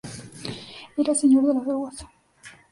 Era "Señor de las aguas".